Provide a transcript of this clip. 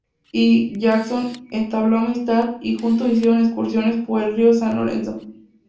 Y. Jackson entabló amistad y juntos hicieron excursiones por el río San Lorenzo.